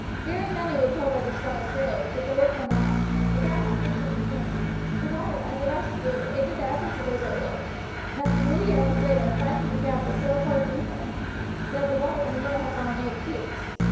Very many were killed by the Scottish arrows, but the work went on. A gap was made through the dam. The water, as it rushed through, aided the efforts of those at work; and after three hours' labour and fighting the gap was so far deepened that the water in the moat had fallen eight feet.